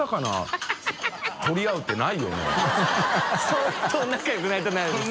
相当仲良くないとないです